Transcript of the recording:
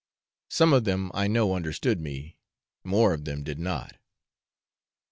Some of them I know understood me, more of them did not.